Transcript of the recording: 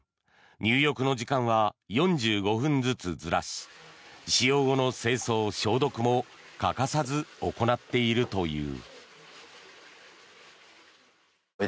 入浴の時間は４５分ずつずらし使用後の清掃・消毒も欠かさず行っているという。